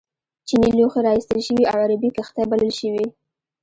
چینی لوښي را ایستل شوي او عربي کښتۍ بلل شوي.